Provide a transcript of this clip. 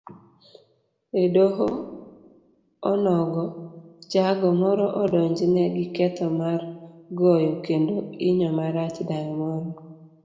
Edoho onogo, jago moro odonjne giketho mar goyo kendo inyo marach dayo moro